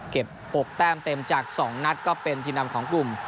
๖แต้มเต็มจาก๒นัดก็เป็นทีมนำของกลุ่ม